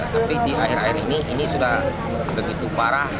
tapi di air air ini ini sudah begitu parah